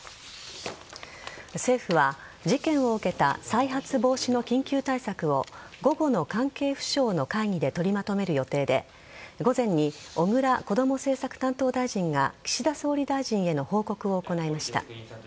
政府は事件を受けた再発防止の緊急対策を午後の関係府省の会議で取りまとめる予定で午前に小倉こども政策担当大臣が岸田総理大臣への報告を行いました。